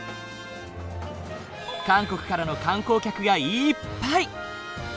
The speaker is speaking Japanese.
韓国からの観光客がいっぱい。